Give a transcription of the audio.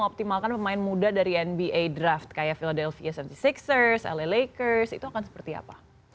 mengoptimalkan pemain muda dari nba draft kayak philadelphia tujuh puluh enam ers la lakers itu akan seperti apa